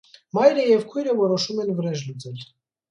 Մայրը և քույրը որոշում են վրեժ լուծել։